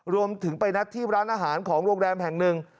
รวมถึงไปนัดที่ร้านอาหารของโรงแรมแห่งหนึ่ง